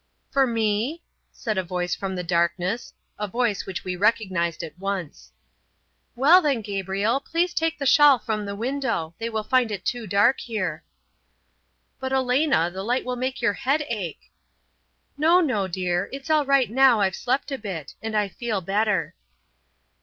"For me?" said a voice from the darkness a voice which we recognized at once. "Well, then, Gabriel, please take the shawl from the window; they will find it too dark here." "But Elena, the light will make your head ache." "No, no, dear; it's alright now I've slept a bit, and I feel better."